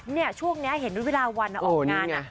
เนี่ยช่วงนี้เห็นด้วยเวลาวันออกงาน